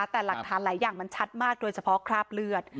แต่หลักฐานหลายอย่างมันชัดมากโดยเฉพาะคราบเลือด